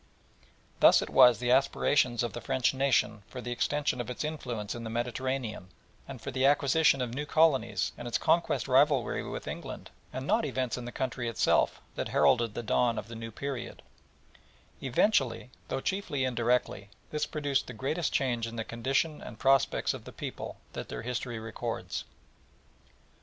Thus it was the aspirations of the French nation for the extension of its influence in the Mediterranean and for the acquisition of new colonies and its conquest rivalry with England, and not events in the country itself, that heralded the dawn of the new period, and eventually, though chiefly indirectly, produced the greatest change in the condition and prospects of the people that their history records.